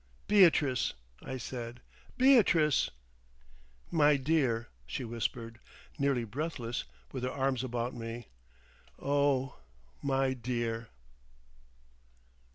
"Beatrice!" I said. "Beatrice!" "My dear," she whispered, nearly breathless, with her arms about me. "Oh! my dear!"